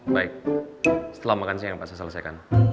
baik setelah makan siang pak saya selesaikan